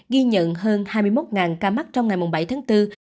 ghi nhận hơn hai mươi một ca mắc trong ngày bảy tháng bốn